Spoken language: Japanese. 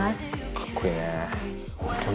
かっこいいね。